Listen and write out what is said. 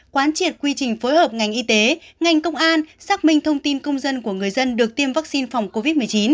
quán triệt quy trình phối hợp ngành y tế ngành công an xác minh thông tin công dân của người dân được tiêm vaccine phòng covid một mươi chín